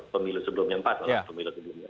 pemilu sebelumnya empat pemilu sebelumnya